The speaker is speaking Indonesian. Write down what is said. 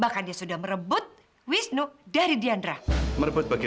kasih tahu papa ya